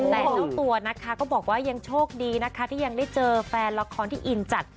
แต่เจ้าตัวนะคะก็บอกว่ายังโชคดีนะคะที่ยังได้เจอแฟนละครที่อินจัด